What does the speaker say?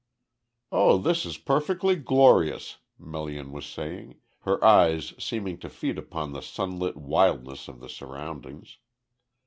"Oh, this is perfectly glorious," Melian was saying, her eyes seeming to feed upon the sunlit wildness of the surroundings.